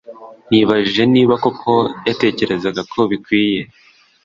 Nibajije niba koko yatekerezaga ko bikwiye